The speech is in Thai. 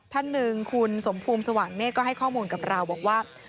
ท่านหนึ่งคุณสมภูมิสว่างเนธก็ให้ข้อมูลกับเราบอกว่า